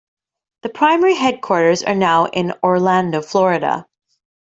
The primary headquarters are now in Orlando, Florida.